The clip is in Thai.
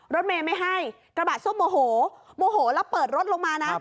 รถเมย์ไม่ให้กระบะส้มโมโหโมโหแล้วเปิดรถลงมานะ